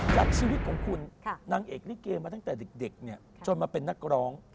จากชีวิตของคุณนางเอกลิเกมาตั้งแต่เด็กเนี่ยจนมาเป็นนักร้อง